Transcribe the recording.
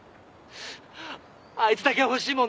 あいつだけ欲しいもん